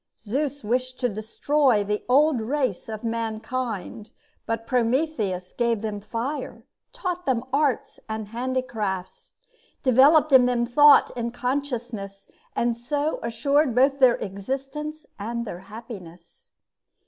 Zeus wished to destroy the old race of mankind; but Prometheus gave them fire, taught them arts and handicrafts, developed in them thought and consciousness, and so assured both their existence and their happiness.